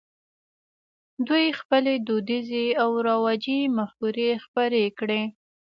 دوی خپلې دودیزې او رواجي مفکورې خپرې کړې.